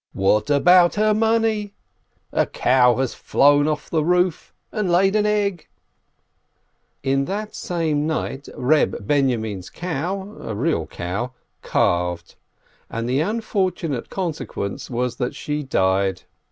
"What about her money?" "A cow has flown over the roof and laid an egg !" In that same night Reb Binyomin's cow (a real cow) calved, and the unfortunate consequence was that she died.